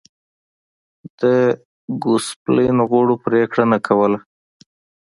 د ګوسپلین غړو پرېکړه نه کوله.